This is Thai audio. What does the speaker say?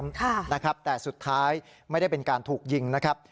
ค่ะนะครับแต่สุดท้ายไม่ได้เป็นการถูกยิงนะครับ